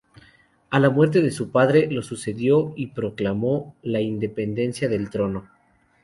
A la muerte de su padre, lo sucedió y proclamó la independencia del trono.